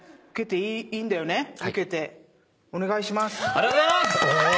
ありがとうございます！